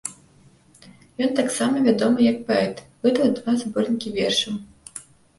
Ён таксама вядомы як паэт, выдаў два зборнікі вершаў.